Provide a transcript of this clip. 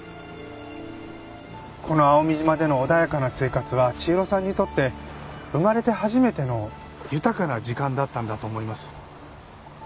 この蒼海島での穏やかな生活は千尋さんにとって生まれて初めての豊かな時間だったんだと思います。